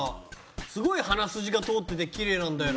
すごい鼻筋が通っててキレイなんだよな。